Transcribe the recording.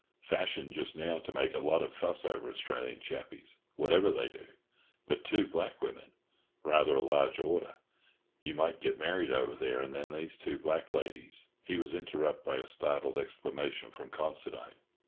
Fashion just now to make a lot of fuss over Australian chappies, whatever they do. But two black women—rather a large order. You might get married over there, and then these two black ladies—" He was interrupted by a startled exclamation from Considine.